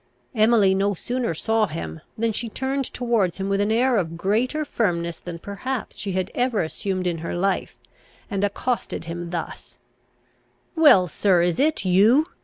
Emily no sooner saw him, than she turned towards him with an air of greater firmness than perhaps she had ever assumed in her life, and accosted him thus: "Well, sir, is it you?